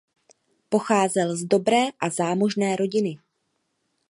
Pocházel z dobré a zámožné rodiny.